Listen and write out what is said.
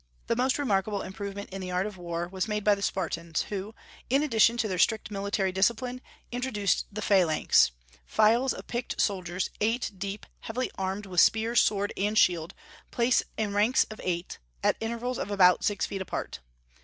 The most remarkable improvement in the art of war was made by the Spartans, who, in addition to their strict military discipline, introduced the phalanx, files of picked soldiers, eight deep, heavily armed with spear, sword, and shield, placed in ranks of eight, at intervals of about six feet apart.